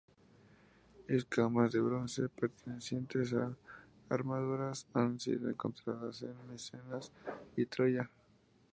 Escamas de bronce pertenecientes a armaduras han sido encontradas en Micenas y Troya.